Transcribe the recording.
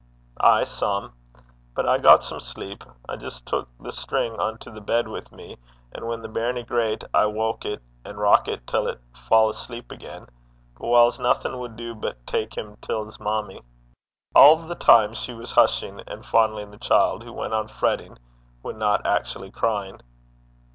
'Ay, some. But I aye got some sleep. I jist tuik the towie (string) into the bed wi' me, and whan the bairnie grat, I waukit, an' rockit it till 't fell asleep again. But whiles naething wad du but tak him till 's mammie.' All the time she was hushing and fondling the child, who went on fretting when not actually crying.